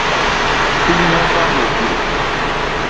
Íɲá hwá mò ŋɡbè.